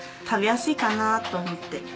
食べやすいかなと思って。